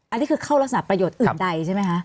อันนี้คือเข้ารักษณประโยชน์อื่นใดใช่ไหมคะ